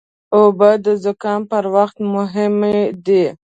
اوبه د زکام پر وخت مهمې دي.